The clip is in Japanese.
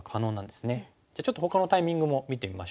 じゃあちょっとほかのタイミングも見てみましょう。